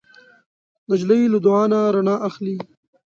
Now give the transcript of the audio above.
نجلۍ له دعا نه رڼا اخلي.